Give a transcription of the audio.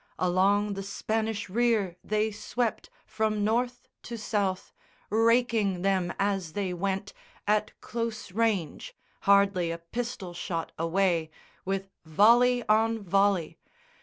Along the Spanish rear they swept From North to South, raking them as they went At close range, hardly a pistol shot away, With volley on volley.